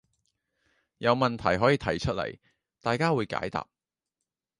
有問題可以提出來，大家會解答